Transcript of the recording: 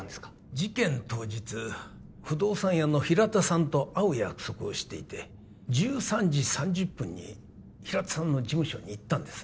事件当日不動産屋の平田さんと会う約束をしていて１３時３０分に平田さんの事務所に行ったんです